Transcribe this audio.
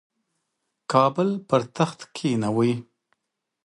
کابل پر تخت کښېنوي.